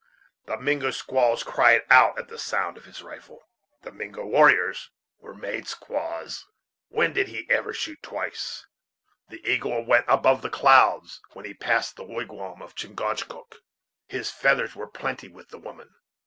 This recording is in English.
The Mingo squaws cried out at the sound of his rifle. The Mingo warriors were made squaws. When did he ever shoot twice? The eagle went above the clouds when he passed the wigwam of Chingachgook; his feathers were plenty with the women.